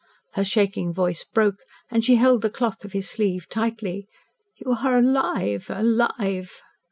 Her shaking voice broke, and she held the cloth of his sleeve tightly. "You are alive alive!"